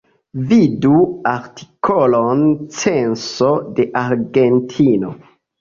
Vidu artikolon Censo de Argentino.